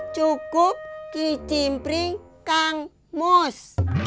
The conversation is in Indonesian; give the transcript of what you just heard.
cukup kicimpring kang mus